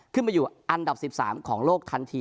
ขึ้นมาอยู่อันดับ๑๓ของโลกทันที